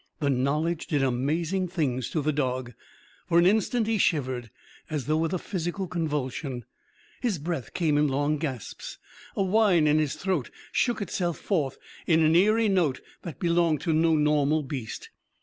The knowledge did amazing things to the dog. For an instant he shivered as though with a physical convulsion. His breath came in long gasps. A whine in his throat shook itself forth in an eerie note that belonged to no normal beast.